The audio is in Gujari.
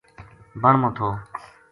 بن ما تھو